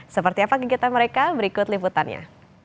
seperti apa kegiatan mereka berikut liputannya